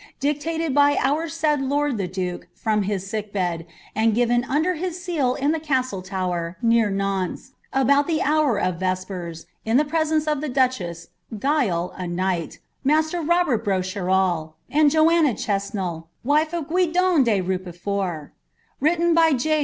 Dictated by our said lord the duke from his sick bed, and given under his seal in the castle tower, near Nantes, about the hour of ves pers, in the presence of the duchess ; Gile, a knight ; Master Robert Brocherol, and Joanna Chesnel, wife of Guidones de Rupeforte. Writ ten by J.